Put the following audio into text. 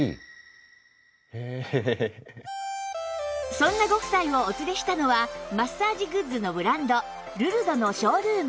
そんなご夫妻をお連れしたのはマッサージグッズのブランドルルドのショールーム